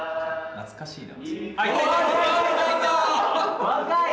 懐かしいな。